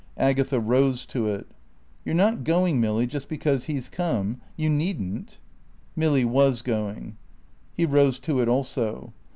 Agatha rose to it. "You're not going, Milly, just because he's come? You needn't." Milly was going. He rose to it also.